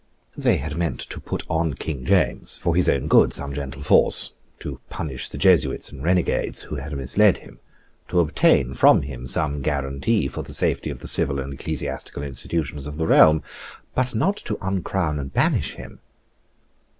They had meant to put on King James, for his own good, some gentle force, to punish the Jesuits and renegades who had misled him, to obtain from him some guarantee for the safety of the civil and ecclesiastical institutions of the realm, but not to uncrown and banish him.